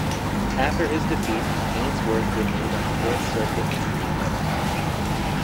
After his defeat, Haynsworth remained on the Fourth Circuit in Greenville.